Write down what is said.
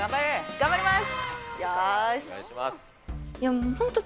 頑張ります。